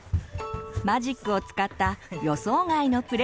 マジックを使った予想外のプレゼント。